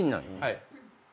はい。